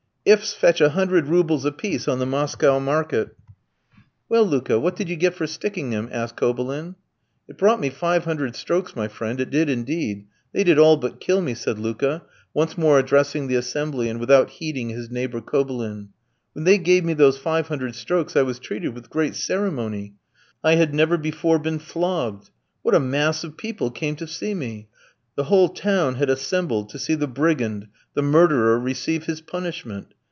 Ifs fetch a hundred roubles a piece on the Moscow market." "Well, Luka, what did you get for sticking him?" asked Kobylin. "It brought me five hundred strokes, my friend. It did indeed. They did all but kill me," said Luka, once more addressing the assembly and without heeding his neighbour Kobylin. "When they gave me those five hundred strokes, I was treated with great ceremony. I had never before been flogged. What a mass of people came to see me! The whole town had assembled to see the brigand, the murderer, receive his punishment.